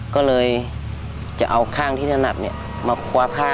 ก็เลยจะเอาข้างที่ถนัดมาคว้าข้าง